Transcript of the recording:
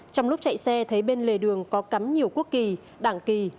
trong lúc chạy xe thấy bên lề đường có cắm nhiều quốc kỳ đảng kỳ